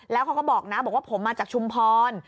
แล้วเขาก็บอกนะบอกว่าผมมาจากชุมพร